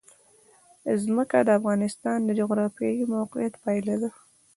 ځمکه د افغانستان د جغرافیایي موقیعت پایله ده.